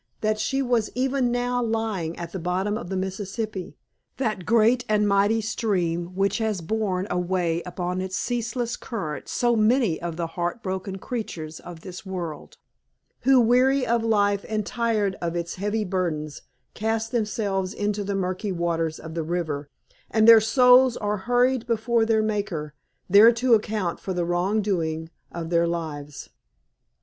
That she was even now lying at the bottom of the Mississippi, that great and mighty stream which has borne away upon its ceaseless current so many of the heart broken creatures of this world, who, weary of life, and tired of its heavy burdens, cast themselves into the murky waters of the river, and their souls are hurried before their Maker, there to account for the wrong doing of their lives.